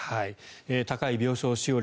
高い病床使用率。